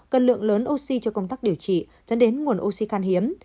cân lượng lớn oxy cho công tác điều trị dẫn đến nguồn oxy can hiếm